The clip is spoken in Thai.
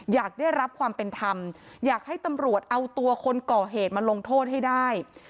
อยากได้รับความเป็นธรรมอยากให้ตำรวจเอาตัวคนก่อเหตุมาลงโทษให้ได้